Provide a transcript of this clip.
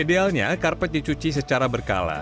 idealnya karpet dicuci secara berkala